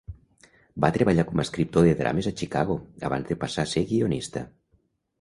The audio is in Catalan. Va treballar com escriptor de drames a Chicago abans de passar a ser guionista.